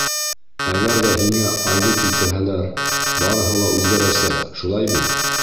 Әгәр ҙә һиңә Айҙы килтерһәләр, барыһы ла үҙгәрәсәк, шулай бит?